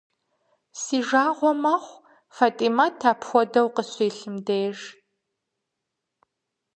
Си жагъуэ мэхъу Фатӏимэт апхуэдэу къыщилъым деж.